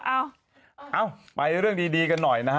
เอ้าไปเรื่องดีกันหน่อยนะฮะ